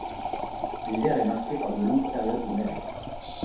L'hiver est marqué par de longues périodes de neige.